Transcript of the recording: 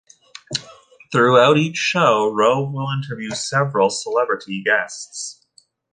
Throughout each show, Rove will interview several celebrity guests.